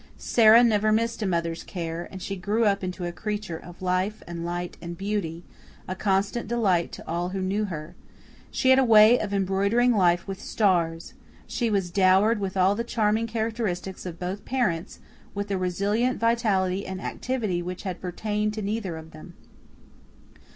Sara never missed a mother's care, and she grew up into a creature of life and light and beauty, a constant delight to all who knew her. She had a way of embroidering life with stars. She was dowered with all the charming characteristics of both parents, with a resilient vitality and activity which had pertained to neither of them.